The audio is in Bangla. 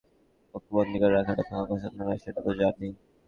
ওকে বন্দি করে রাখাটা তোমার পছন্দ নয় সেটা তো জানিই!